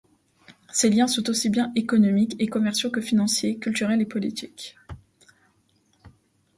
Ces liens sont aussi bien économiques et commerciaux que financiers, culturels et politiques.